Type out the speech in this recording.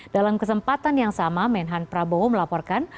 dalam kesempatan yang sama menhan prabowo melaporkan